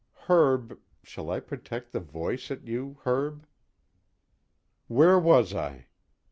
Herb shall I project the voice at you, Herb?_ "Where was I?"